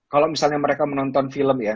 kalau misalnya mereka menonton film ya